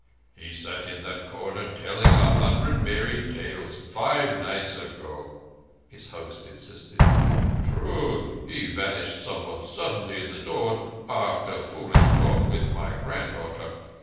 "He sat in that corner telling a hundred merry tales five nights ago," his host insisted. "True, he vanished somewhat suddenly in the dawn after foolish talk with my granddaughter.